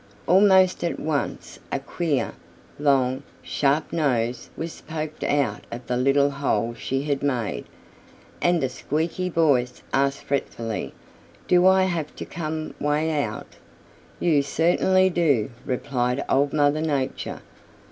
Almost at once a queer, long, sharp nose was poked out of the little hole she had made, and a squeaky voice asked fretfully, "Do I have to come way out?" "You certainly do," replied Old Mother Nature.